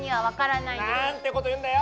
なんてこと言うんだよ！